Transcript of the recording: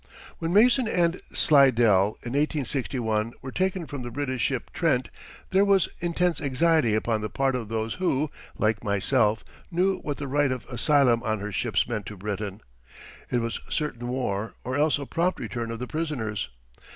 When Mason and Slidell in 1861 were taken from the British ship Trent there was intense anxiety upon the part of those who, like myself, knew what the right of asylum on her ships meant to Britain. It was certain war or else a prompt return of the prisoners.